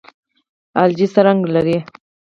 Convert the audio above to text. الجی څه رنګ لري؟